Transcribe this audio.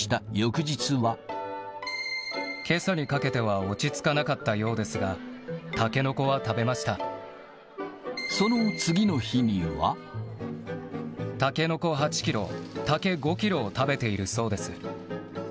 けさにかけては落ち着かなかったようですが、その次の日には。タケノコ８キロ、竹５キロを食べているそうです。